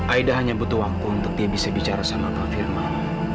aida hanya butuh waktu untuk dia bisa bicara sama pak firman